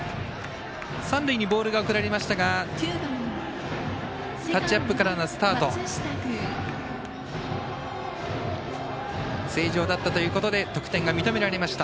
三塁にボールが送られましたがタッチアップからのスタート正常だったということで得点が認められました。